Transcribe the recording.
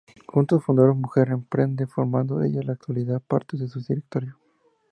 Juntos fundaron Mujer Emprende, formando ella en la actualidad parte de su directorio.